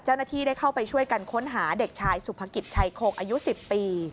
เจ้าหน้าที่ได้เข้าไปช่วยกันค้นหาเด็กชายสุภกิจชัยโคงอายุ๑๐ปี